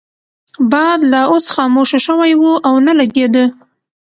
باد لا اوس خاموشه شوی وو او نه لګیده.